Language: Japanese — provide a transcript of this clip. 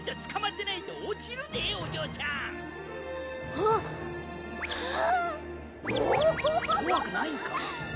おぉこわくないんか？